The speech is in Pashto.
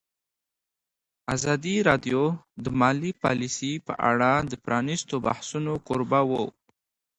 ازادي راډیو د مالي پالیسي په اړه د پرانیستو بحثونو کوربه وه.